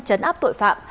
chấn áp tội phạm